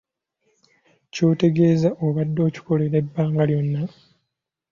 Ky'otegeeza obadde okikolerera ebbanga lyonna?